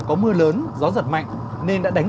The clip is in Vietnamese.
có mưa lớn gió giật mạnh nên đã đánh